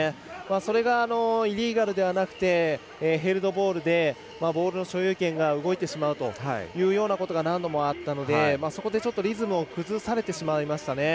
それがイリーガルではなくてヘルドボールでボールの所有権が動いてしまうということが何度もあったのでそこでリズムを崩されてしまいましたね。